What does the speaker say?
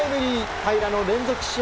平良の連続試合